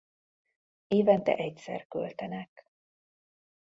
Évente egyszer költenek.